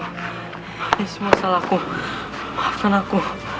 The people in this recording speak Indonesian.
ini semua salahku maafkan aku